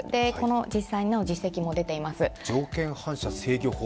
実際の実績も出ています。